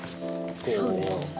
そうですね。